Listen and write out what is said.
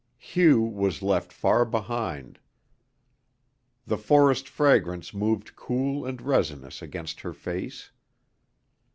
Hugh was left far behind. The forest fragrance moved cool and resinous against her face.